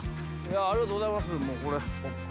ありがとうございます。